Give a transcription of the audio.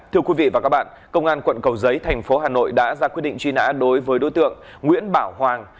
thưa quý vị và các bạn công an quận cầu giấy thành phố hà nội đã ra quyết định truy nã đối với đối tượng nguyễn bảo hoàng